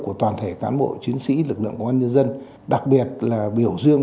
của toàn thể cán bộ chiến sĩ lực lượng công an nhân dân đặc biệt là biểu dương